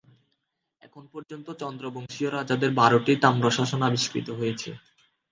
এখন পর্যন্ত চন্দ্রবংশীয় রাজাদের বারোটি তাম্রশাসন আবিষ্কৃত হয়েছে।